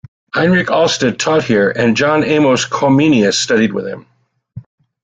Heinrich Alsted taught there, and John Amos Comenius studied with him.